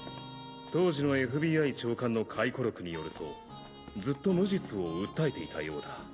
当時のＦＢＩ長官の回顧録によるとずっと無実を訴えていたようだ。